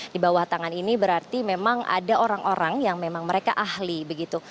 di bawah tangan ini berarti memang ada orang orang yang memang mereka ahli begitu